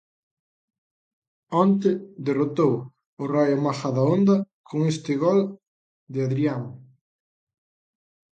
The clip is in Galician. Onte derrotou o Raio Majadahonda con este gol de Adrián.